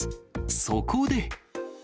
そこで。